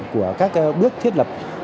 của các bước thiết lập